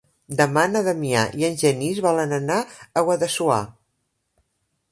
Demà na Damià i en Genís volen anar a Guadassuar.